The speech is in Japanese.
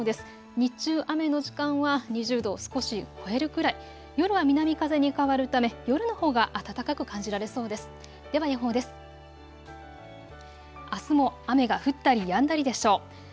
日中、雨の時間は２０度を少し超えるくらい、夜は南風に変わるため夜のほうが暖かく感じられそうです。